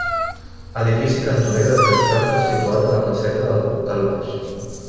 Edifici cantoner de tres plantes situat a la Placeta del Portal Baix.